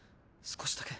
少しだけ。